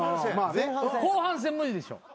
後半戦無理でしょ。